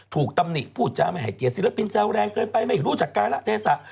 ตำหนิพูดจ้าไม่ให้เกียรติศิลปินแซวแรงเกินไปไม่รู้จักการะเทศะ